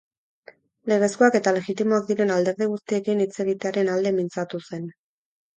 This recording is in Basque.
Legezkoak eta legitimoak diren alderdi guztiekin hitz egitearen alde mintzatu zen.